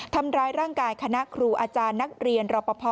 ทำร้ายร่างกายคณะครูอาจารย์นักเรียนรอปภ